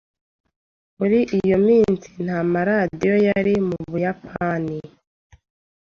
Muri iyo minsi nta maradiyo yari mu Buyapani.